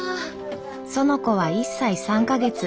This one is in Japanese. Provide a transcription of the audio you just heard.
園子は１歳３か月。